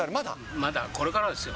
これからですよ。